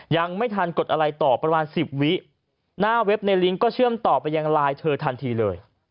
ยังไม่ทันกดอะไรต่อประมาณสิบวิหน้าเว็บในลิงก์ก็เชื่อมต่อไปยังไลน์เธอทันทีเลย